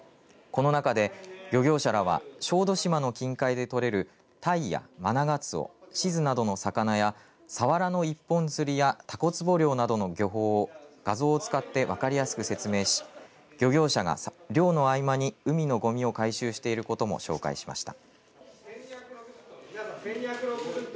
この中で、漁業者らは小豆島の近海で取れるたいやマナガツオシズなどの魚やさわらの一本つりやたこつぼ漁などの漁法を画像を使って分かりやすく説明し漁業者が漁の合間に海のごみを回収していることも紹介しました。